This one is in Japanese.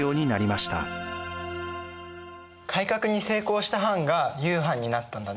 改革に成功した藩が雄藩になったんだね。